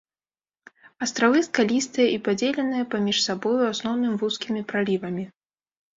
Астравы скалістыя і падзеленыя паміж сабой у асноўным вузкімі пралівамі.